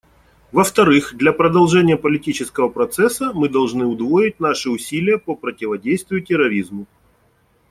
Во-вторых, для продолжения политического процесса мы должны удвоить наши усилия по противодействию терроризму.